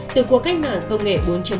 từ cuộc cách mạng công nghệ bốn